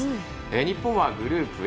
日本はグループＡ